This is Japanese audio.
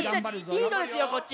リードですよこっち。